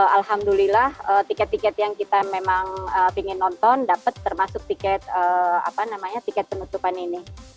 alhamdulillah tiket tiket yang kita memang ingin nonton dapat termasuk tiket penutupan ini